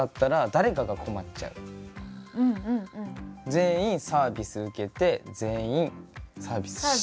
全員サービス受けて全員サービスして。